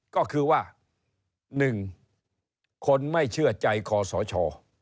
ก็คือว่าหนึ่งคนไม่เชื่อใจขอสอชอ